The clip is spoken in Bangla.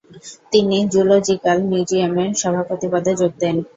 তিনি জ্যুলজিক্যাল মিউজিয়ামের সভাপতি পদে যোগ দেন।